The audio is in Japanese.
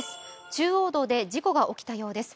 中央道で事故が起きたようです。